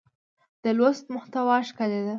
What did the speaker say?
د لوست محتوا ښکلې ده.